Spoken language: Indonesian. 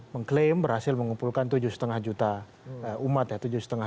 mengklaim berhasil mengumpulkan tujuh lima juta umat ya